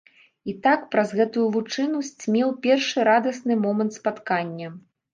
І так праз гэтую лучыну сцьмеў першы радасны момант спаткання.